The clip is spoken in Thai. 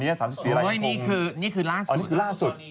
นี่คือล่าสุด